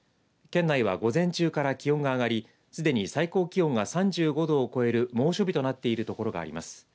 県内は午前中から気温が上がりすでに最高気温が３５度を超える猛暑日となっている所があります。